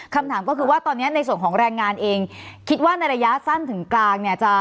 คำถามก็คือว่าตอนนี้ในส่วนของแรงงานเองคิดว่าในระยะสั้นถึงกลางเนี่ย